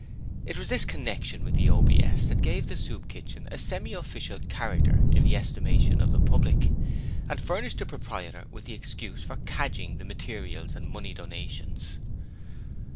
It was this connection with the OBS that gave the Soup Kitchen a semi official character in the estimation of the public, and furnished the proprietor with the excuse for cadging the materials and money donations.